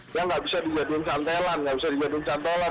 yang nggak bisa dijadiin cantelan nggak bisa dijadiin cantelan